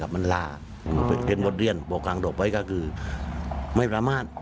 มันลามันเป็นบทเรียนโปรดกลางเดิมไปคือไม่ประมาท